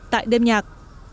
tại đêm nhạc